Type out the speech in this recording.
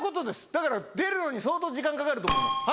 だから、出るのに相当時間かかると思います。